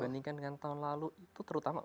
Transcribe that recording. bandingkan dengan tahun lalu itu terutama